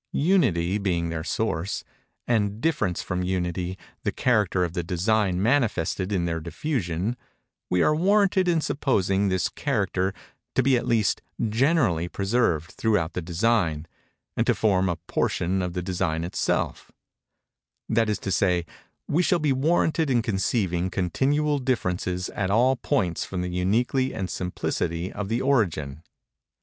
Unity being their source, and difference from Unity the character of the design manifested in their diffusion, we are warranted in supposing this character to be at least generally preserved throughout the design, and to form a portion of the design itself:—that is to say, we shall be warranted in conceiving continual differences at all points from the uniquity and simplicity of the origin.